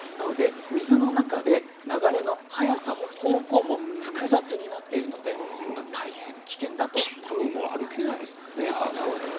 水の中で流れの速さも方向も複雑になっているので大変危険だということです。